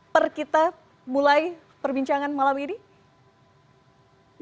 per kita mulai perbincangan malam ini